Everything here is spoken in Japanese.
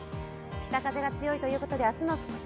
北風が強いということで、明日の服装。